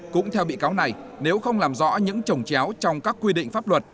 cũng theo bị cáo này nếu không làm rõ những trồng chéo trong các quy định pháp luật